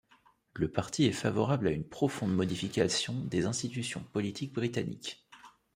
Le parti est favorable à une profonde modification des institutions politiques britanniques.